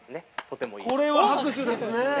とてもいいです。